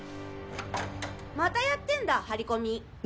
またやってんだ張り込み。